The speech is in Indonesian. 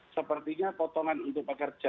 sepertinya potongan untuk pekerja